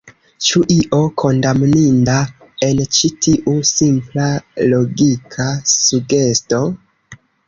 Ĉu io kondamninda en ĉi tiu simpla logika sugesto?